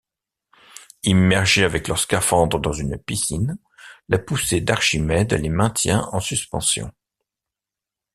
Immergés avec leur scaphandre dans une piscine, la poussée d'Archimède les maintient en suspension.